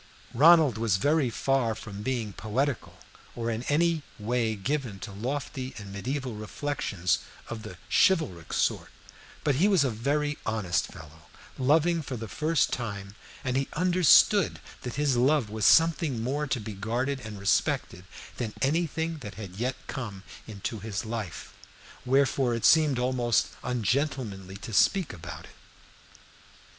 Ronald was very far from being poetical, or in any way given to lofty and medieval reflections of the chivalric sort, but he was a very honest fellow, loving for the first time, and he understood that his love was something more to be guarded and respected than anything that had yet come into his life; wherefore it seemed almost ungentlemanly to speak about it.